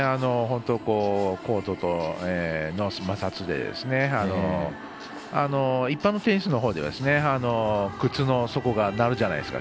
コートとの摩擦で一般のテニスのほうでは靴の底がなるじゃないですか。